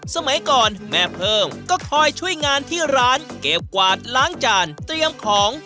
สมัยก่อนแม่เพิ่มก็คอยช่วยงานที่ร้านเก็บกวาดล้างจานเตรียมของ